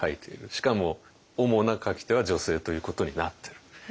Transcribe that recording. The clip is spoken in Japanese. しかもおもな書き手は女性ということになってる。